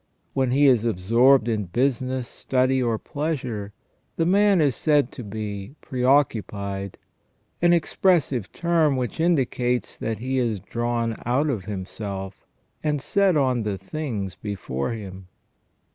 When he is absorbed in business, study, or pleasure, the man is said to be preoccupied, an expressive term which indicates that he is drawn out of himself, and set on the things before him.